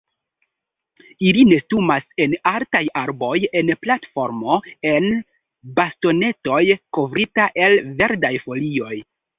Ili nestumas en altaj arboj en platformo el bastonetoj kovrita el verdaj folioj.